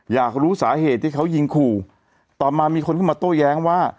อยากรู้สาเหตุที่เขายิงขู่ต่อมามีคนเข้ามาโต้แย้งว่า